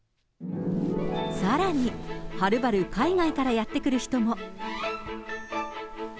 さらに、はるばる海外からやって来る人も。